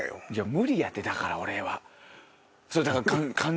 無理やてだから俺は。